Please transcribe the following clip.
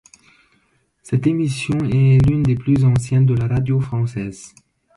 Cette émission est l'une des plus anciennes de la radio française.